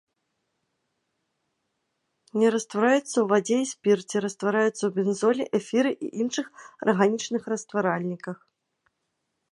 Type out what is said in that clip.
Не раствараецца ў вадзе і спірце, раствараецца ў бензоле, эфіры і іншых арганічных растваральніках.